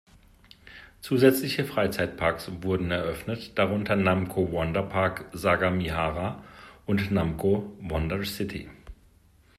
Zusätzliche Freizeitparks wurden eröffnet, darunter Namco Wonder Park Sagamihara und Namco Wonder City.